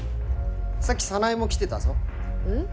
さっき早苗も来てたぞえっ？